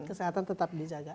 kesehatan tetap dijaga